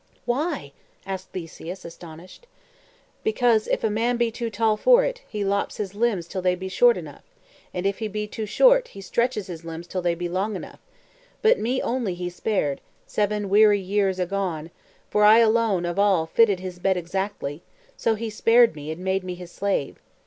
"Why?" asked Theseus, astonished. "Because, if a man be too tall for it, he lops his limbs till they be short enough, and if he be too short, he stretches his limbs till they be long enough; but me only he spared, seven weary years agone; for I alone of all fitted his bed exactly, so he spared me, and made me his slave.